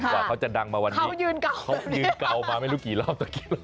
ว่าเขาจะดังมาวันนี้เขายืนเก่ามาไม่รู้กี่รอบ